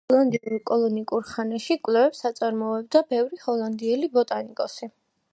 ჰოლანდიურ კოლონიურ ხანაში კვლევებს აწარმოებდა ბევრი ჰოლანდიელი ბოტანიკოსი.